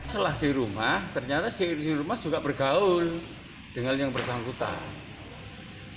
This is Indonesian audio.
setelah di rumah ternyata si rumah juga bergaul dengan yang bersangkutan